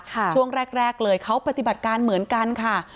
ช่วงแรกแรกเลยเขาปฏิบัติการเหมือนกันค่ะ